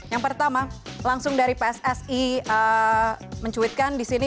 yang pertama langsung dari pssi men tweetkan disini